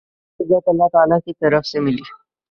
یہ عزت اللہ تعالی کی طرف سے ملی۔